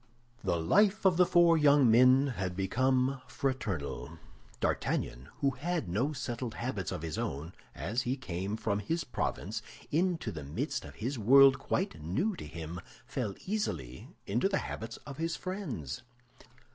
The life of the four young men had become fraternal. D'Artagnan, who had no settled habits of his own, as he came from his province into the midst of a world quite new to him, fell easily into the habits of his friends.